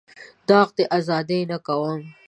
داغ د ازادۍ نه کوم.